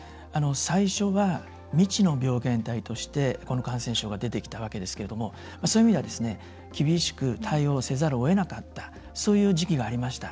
最初は、未知の病原体としてこの感染症が出てきましたがそういう意味では厳しく対応せざるをえなかったそういう時期がありました。